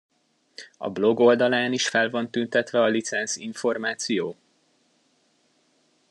A blog oldalán is fel van tüntetve a licensz-információ?